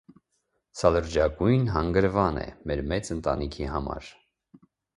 Սա լրջագույն հանգրվան է մեր մեծ ընտանիքի համար։